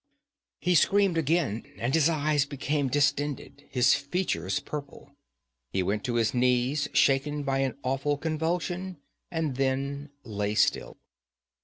He screamed again and his eyes became distended, his features purple. He went to his knees shaken by an awful convulsion, and then lay still.